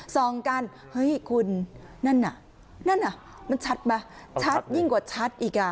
ส่องกันเฮ้ยคุณนั่นน่ะนั่นอ่ะมันชัดไหมชัดยิ่งกว่าชัดอีกอ่ะ